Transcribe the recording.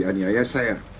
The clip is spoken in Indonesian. bahwa beliau dianiaya saya